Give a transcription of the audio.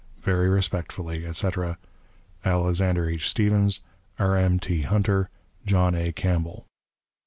Very respectfully, etc., "ALEXANDER H. STEPHENS, "R. M. T. HUNTER, "JOHN A. CAMPBELL."